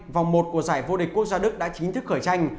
vòng một của giải vô địch quốc gia đức đã chính thức khởi tranh